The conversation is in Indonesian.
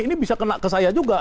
ini bisa kena ke saya juga